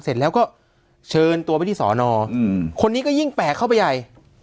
เสร็จแล้วก็เชิญตัวไปที่สอนอคนนี้ก็ยิ่งแปลกเข้าไปใหญ่